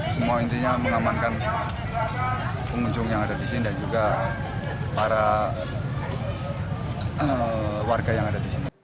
semua intinya mengamankan pengunjung yang ada disini dan juga para warga yang ada disini